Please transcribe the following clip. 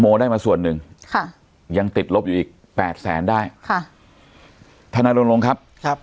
โมได้มาส่วนหนึ่งยังติดลบอยู่อีกแปดแสนได้ค่ะพัชรงครับ